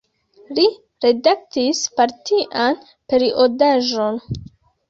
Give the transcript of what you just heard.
Li redaktis partian periodaĵon.